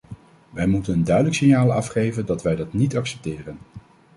Wij moeten een duidelijk signaal afgeven dat wij dat niet accepteren.